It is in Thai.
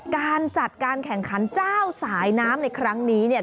การจัดการแข่งขันเจ้าสายน้ำในครั้งนี้เนี่ย